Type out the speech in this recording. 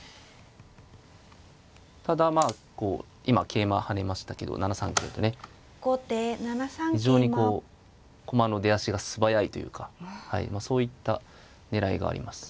ただまあこう今桂馬跳ねましたけど７三桂とね非常にこう駒の出足が素早いというかそういった狙いがあります。